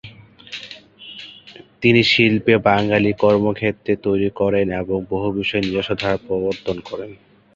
তিনি শিল্পে বাঙালির কর্মক্ষেত্র তৈরি করেন এবং বহু বিষয়ে নিজস্ব ধারার প্রবর্তন করেন।